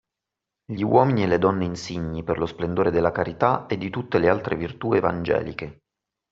Gli uomini e le donne insigni per lo splendore della carità e di tutte le altre virtù evangeliche